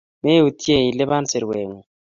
Meutye iliban sirwengung.